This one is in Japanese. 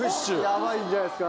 やばいんじゃないですか？